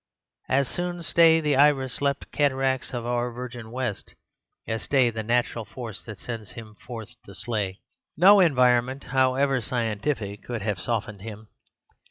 As soon stay the iris leapt cataracts of our virgin West as stay the natural force that sends him forth to slay. No environment, however scientific, could have softened him.